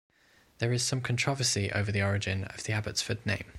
There is some controversy over the origin of the Abbotsford name.